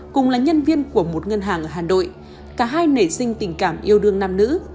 cùng là nhân viên của một ngân hàng ở hà nội cả hai nảy sinh tình cảm yêu đương nam nữ